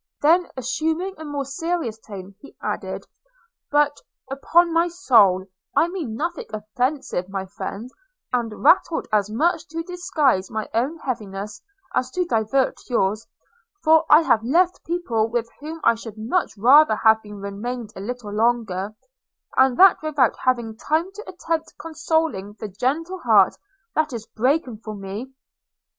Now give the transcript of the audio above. – Then assuming a more serious tone, he added: 'But, upon my soul, I mean nothing offensive, my friend; and rattled as much to disguise my own heaviness as to divert yours, for I have left people with whom I should much rather have remained a little longer, and that without having time to attempt consoling the gentle heart that is breaking for me.'